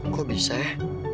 kok bisa ya